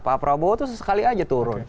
pak prabowo tuh sesekali aja turun